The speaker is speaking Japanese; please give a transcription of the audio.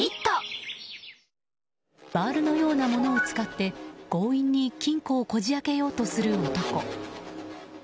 バールのようなものを使って強引に金庫をこじ開けようとする男。